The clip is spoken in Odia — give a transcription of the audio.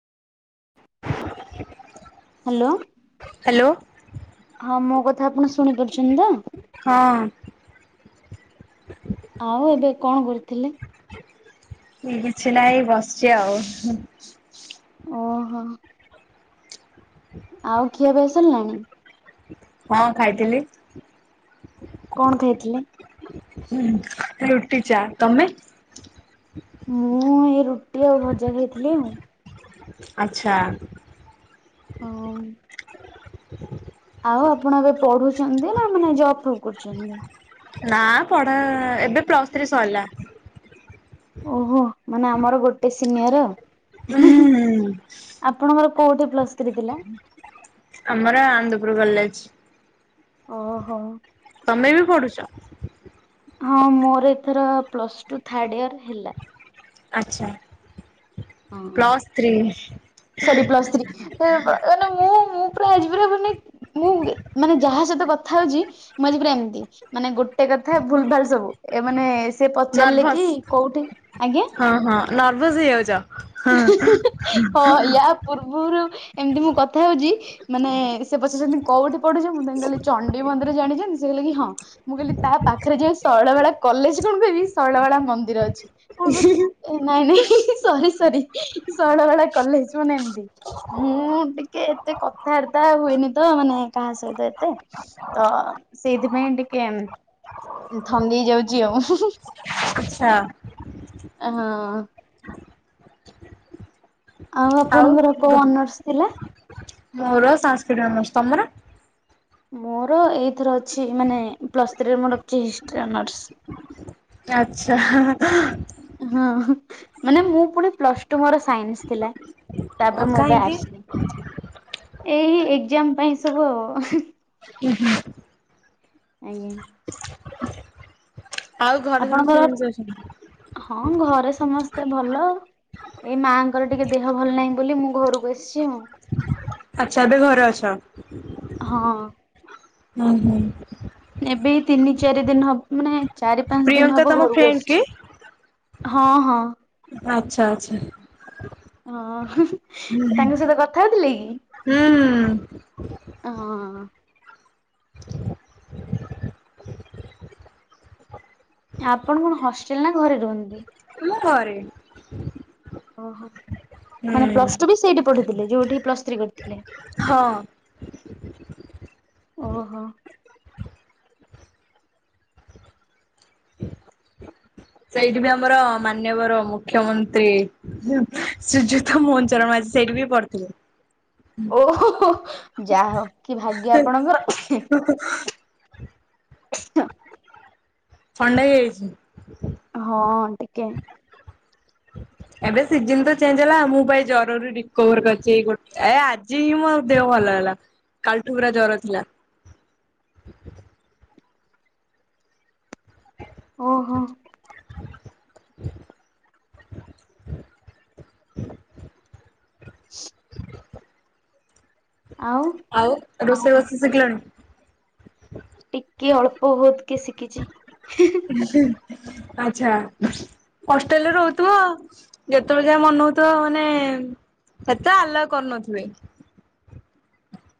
ହ୍ୟାଲୋ ହ୍ୟାଲୋ ହଁ ମୋ କଥା ଆପଣ ଶୁଣି ପାରୁଛନ୍ତି ତ ହଁ ଆଉ ଏବେ କଣ କରୁଥିଲେ କିଛି ନାହିଁ ବସିଚି ଆଉ। ଓହୋ। ଆଉ ଖିଆ ପିଆ ସାରିଲାଣି? ହଁ ଖାଇଥିଲି। କଣ ଖାଇଥିଲେ? ହୁଁ ମୁଁ ଏଇ ରୁଟି ଆଉ ଭଜା ଖାଇଥିଲି ଆଉ। ଆଚ୍ଛା। ହଁ। ଆଉ ଆପଣ ଏବେ ପଢୁଛନ୍ତି ନା ମାନେ ଜବ ଫବ କରୁଛନ୍ତି? ନା ପଢେ ଏବେ ପ୍ଲସ୍ ଥ୍ରୀ ସରିଲା। ଓହୋ ମାନେ ଆମର ଗୋଟେ ସିନିୟର। ହୁଁ ହୁଁ। ଆପଣଙ୍କର କୋଉଠି ପ୍ଲସ୍ ଥ୍ରୀ ଥିଲା? ଆମର ଆନ୍ଦପୁର କଲେଜ। ଓହୋ। ତମେ ବି ପଢୁଚ? ହଁ ମୋର ଏଥର ପ୍ଲସ୍ ଟୁ ଥାର୍ଡ ଇୟର ହେଲା। ଆଚ୍ଛା। ହଁ plus three sorry plus three ମାନେ ମୁଁ ମୁଁ ପୁରା ଆଜି ପୁରା ମାନେ ମୁଁ ମାନେ ଯାହା ସହିତ କଥା ହଉଛି ମୁଁ ଆଜି ପୁରା ଏମିତି ମାନେ ଗୋଟେ ଗୋଟେ କଥା ଭୁଲ ଭାଲ ସବୁ ଏ ମାନେ ସେ ପଚାରିଲେ ନର୍ଭସ କି କୋଉଠି ଆଜ୍ଞା? ନର୍ଭସ୍ ହେଇଯାଉଛ। ହଁ ୟା ପୂର୍ବରୁ ଏମିତି ମୁଁ କଥା ହଉଛି ମାନେ ସେ ପଚାରୁଛନ୍ତି କୋଉଠି ପଢୁଛି ମୁଁ ତା କାଲି ଚଣ୍ଡି ମନ୍ଦିର ଜାଣିଛନ୍ତି ସେ କହିଲ କି ହଁ ମୁଁ କହିଲଲି ତା ପାଖରେ ଯୋଉ ଶୈଳ ବେଳା କଲେଜ କଣ କହିବି ଶୈଳ ବେଳା ମନ୍ଦିର ଅଛି କଣ କହୁଛି ନାଇଁ ନାଇଁ ଶୈ ସରି ଶୈଳବାଳା କଲେଜ ମାନେ ଏମତି। ମୁଁ ଟିକେ ଏତେ କଥାବାର୍ତ୍ତା ହୁଏନି ତ ମାନେ କାହା ସହିତ ଏତେ ତ ସେଇଥିପାଇଁ ଟିକେ ଥନ୍ଦି ଯାଉଛି ଆଉ। ଆଚ୍ଛା। ହଁ। ଆଉ ଆପଣଙ୍କର କୋଉ ଅନର୍ସ ଥିଲା? ମୋର ସାଂସ୍କୃତିକ ଅନର୍ଶ ତମର? ମୋର ଏଥି ଅଛି ମାନେ ପ୍ଲସ ଥ୍ରି ହିଷ୍ଟରୀ ଅନର୍ସ। ଆଚ୍ଛା। ହୁଁ ମାନେ ମୁଁ ପୁଣି ପ୍ଲସ୍ ଟୁ ମୋର ସାଇନ୍ସ ଥିଲା। ଓ ତାପରେ ମୁଁ ଏବେ କାହିଁକି? ଆସିଲି ଏଇ ଏକଜାମ ପାଇଁ ସବୁ। ହୁଁ ହୁଁ। ଆଜ୍ଞା। ଆଉ ଘରେ ଆପଣଙ୍କର ସମସ୍ତେ କେମିତି ଅଛନ୍ତି? ହଁ ଘରେ ସମସ୍ତେ ଭଲ। ଏଇ ମାଆଙ୍କର ଟିକେ ଦେହ ଭଲ ନାହିଁ ବୋଲି ମୁଁ ଘରକୁ ଆସିଛି ଆଉ। ଆଚ୍ଛା ଏବେ ଘରେ ଅଛ। ହଁ ହୁଁ ହୁଁ। ଏବେ ତିନି ଚାରି ଦିନ ମାନେ ଚାରି ପାଞ୍ଚ ଦିନ ପ୍ରିୟଙ୍କା ହବ ତମ ଘରକୁ ଫ୍ରେଣ୍ଡ କି? ଆସିଛି। ହଁ ହଁ। ଆଚ୍ଛା ଆଚ୍ଛା। ହଁ ତାଙ୍କ ସହିତ କଥା ହଉଥିଲେ କି? ହୁଁ। ହଁ। ଆପଣ କଣ ହଷ୍ଟେଲ ନା ଘରେ ରୁହନ୍ତି? ମୁଁ ଘରେ। ଓହୋ ମାନେ ପ୍ଲସ ଟୁ ବି ସେଇଠି ପଢିଥିଲେ ଯୋଉଠି ପ୍ଲସ ଥ୍ରୀ କରିଥିଲେ। ହଁ। ଓହୋ। ସେଇଠି ବି ଆମର ମାନ୍ୟବର ମୁଖ୍ୟମନ୍ତ୍ରୀ ହି ଶ୍ରୀଯୁକ୍ତ ମୋହନ ଚରଣ ମାଝୀ। ସେଇଠି ବି ପଢ଼ିଥିଲେ। ଓହୋ ହୋ ଯାହା ହଉ କି ଭାଗ୍ୟ ଆପଣଙ୍କର। ଇଁଛୁ । ଥଣ୍ଡା ହେଇଯାଇଛି। ହଁ ଟିକେ। ଏବେ ସିଜିନ ତ ଚେଞ୍ଜ ହେଲା ମୁଁ ପା ଏଇ ଜରରୁ ରିକୋଭର କରଚି ଏଇ ଗୋଟେ ଏ ଆଜି ହିଁ ମୋ ଦେହ ଭଲ ଭଲ ହେଲା କାଲଠୁ ପୁରା ଜର ଥିଲା। ଓହୋ। ଚୁକ୍ । ଆଉ ଆଉ ରୋଷେଇ କଣ ବାସ ଶିଖିଲଣି? ଟିକେ ଅଳ୍ପ ବହୁତ୍ କି ଶିଖିଚି। ଆଚ୍ଛା। ହଷ୍ଟେଲରେ ରହୁଥିବ ଯେତେବେଳେ ଯାହା ମନ ହଉଥିବ ମାନେ ଏତେ ଆଲ୍ଲାଉ କରୁନଥିବେ।